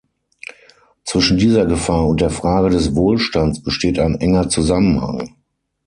Zwischen dieser Gefahr und der Frage des Wohlstands besteht ein enger Zusammenhang.